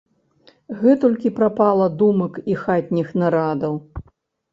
Гэтулькі прапала думак і хатніх нарадаў?